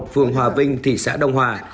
phường hòa vinh thị xã đông hòa